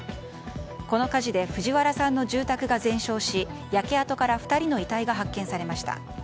この火事で藤原さんの住宅が全焼し焼け跡から２人の遺体が発見されました。